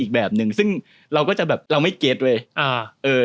อีกแบบนึงซึ่งเราก็จะแบบเราไม่เก็ตเว้ย